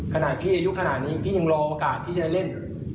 ขณะพี่อายุขนาดนี้พี่ยังรอโอกาสที่จะเล่น